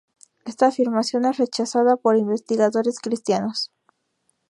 Esta afirmación es rechazada por investigadores cristianos.